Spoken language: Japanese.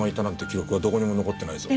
記録はどこにも残ってないぞ。